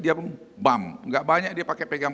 dia bum gak banyak dia pakai pegang